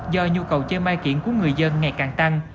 do nhu cầu chơi mai kiện của người dân ngày càng tăng